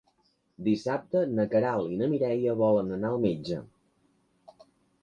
Dissabte na Queralt i na Mireia volen anar al metge.